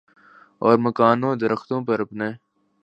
اور مکانوں درختوں پر اپنے